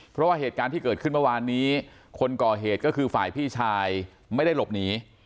เพราะว่าเหตุการณ์ที่เกิดขึ้นเมื่อวานนี้คนก่อเหตุก็คือฝ่ายพี่ชายไม่ได้หลบหนี